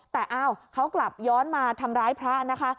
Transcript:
แต่อ้าวเขากลับย้อนมาทำร้ายพระนะคะ